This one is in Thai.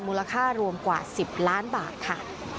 มูลค่ารวมกว่า๑๐ล้านบาทค่ะ